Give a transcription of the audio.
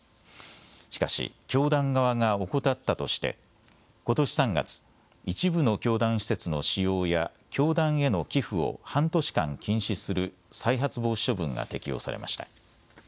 しかし教団側が怠ったとしてことし３月、一部の教団施設の使用や教団への寄付を半年間禁止する再発防止処分が適用されました。